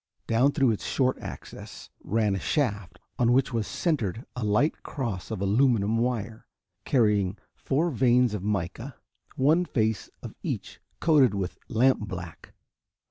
Down through its short axis ran a shaft on which was centered a light cross of aluminum wire, carrying four vanes of mica, one face of each coated with lampblack.